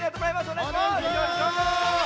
おねがいします！